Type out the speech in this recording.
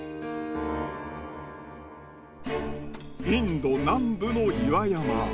インド南部の岩山。